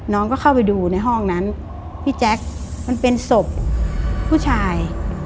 น้องก็เข้าไปดูในห้องนั้นพี่แจ๊คมันเป็นศพผู้ชาย